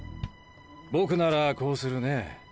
僕ならこうするね。